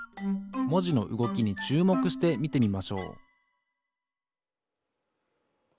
もじのうごきにちゅうもくしてみてみましょう